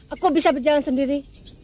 aku bisa berjalan sendiri